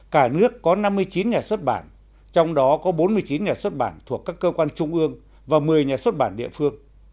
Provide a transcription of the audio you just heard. cả nước có năm mươi chín nhà xuất bản trong đó có bốn mươi chín nhà xuất bản thuộc các cơ quan trung ương và một mươi nhà xuất bản địa phương